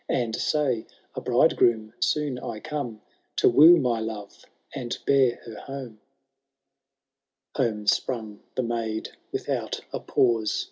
And say, a bridegroom soon I come, To woo my love, and bear her home/* X. Home sprung the maid without a pause.